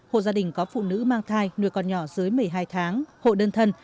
hộ gia đình có phụ nữ mang thai nuôi con nhỏ dưới một mươi hai tháng hộ đơn thân